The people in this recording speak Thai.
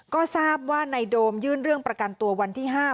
ก็ทราบว่าในโดมยื่นเรื่องประกันตัววันที่๕